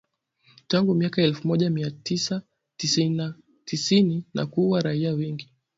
tangu miaka ya elfu moja mia tisa tisini na kuua raia wengi